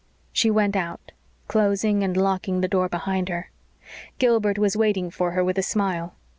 She went out, closing and locking the door behind her. Gilbert was waiting for her with a smile.